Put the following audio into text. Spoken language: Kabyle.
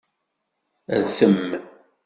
Rtem.